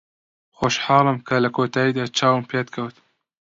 خۆشحاڵم کە لە کۆتاییدا چاوم پێت کەوت.